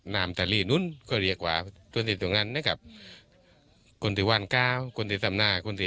นั่นก็เรียกว่าตัวนี้ตรงนั้นนะครับคนที่ว่านก้าวคนที่สำนาคคนที่